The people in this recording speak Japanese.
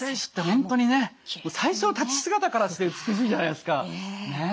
本当にね最初の立ち姿からして美しいじゃないですか。ね？